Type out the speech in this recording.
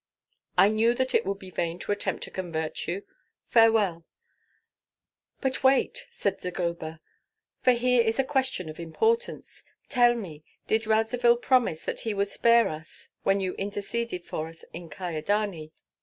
"I knew that it would be vain to attempt to convert you. Farewell!" "But wait," said Zagloba; "for here is a question of importance. Tell me, did Radzivill promise that he would spare us when you interceded for us in Kyedani?"